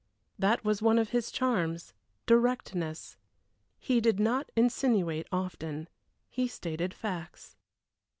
That was one of his charms directness. He did not insinuate often; he stated facts.